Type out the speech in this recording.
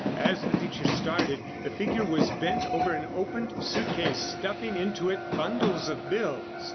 As the picture started, the figure was bent over an opened suitcase, stuffing into it bundles of bills.